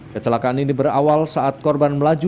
kecelakaan ini berawal saat korban melaju